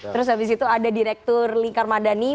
terus habis itu ada direktur li karmadani